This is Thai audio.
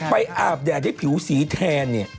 อาบแดดให้ผิวสีแทนเนี่ย